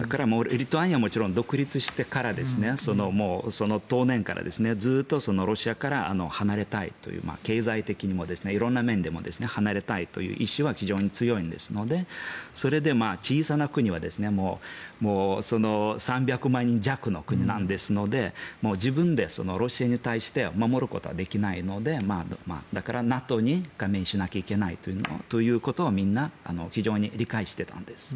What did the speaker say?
リトアニアはもちろん独立してからその当年からずっとロシアから離れたいという経済的にも色んな面でも離れたいという意思は非常に強いですのでそれで小さな国は３００万人弱の国ですので自分でロシアに対して守ることはできないのでだから、ＮＡＴＯに加盟しなきゃいけないということはみんな非常に理解していたんです。